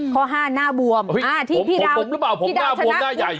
ข้อ๕หน้าบวมที่พี่ดาวชนะผมหรือเปล่าผมหน้าบวมหน้าใหญ่